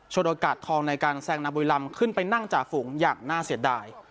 โอกาสทองในการแซงนาบุรีลำขึ้นไปนั่งจ่าฝูงอย่างน่าเสียดาย